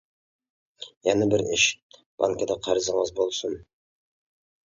يەنە بىر ئىش، بانكىدا قەرزىڭىز بولسۇن.